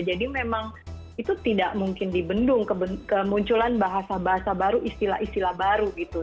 jadi memang itu tidak mungkin dibendung kemunculan bahasa bahasa baru istilah istilah baru gitu